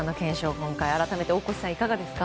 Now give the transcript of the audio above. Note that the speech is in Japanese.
今回、改めて大越さん、いかがですか？